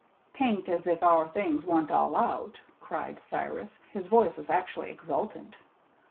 "'T ain't as if our things wan't all out," cried Cyrus; his voice was actually exultant.